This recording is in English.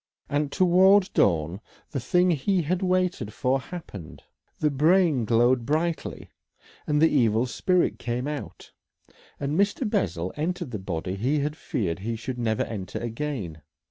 And towards dawn the thing he had waited for happened, the brain glowed brightly and the evil spirit came out, and Mr. Bessel entered the body he had feared he should never enter again.